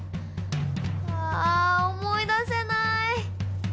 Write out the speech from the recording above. あ思い出せない！